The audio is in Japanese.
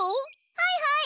はいはい！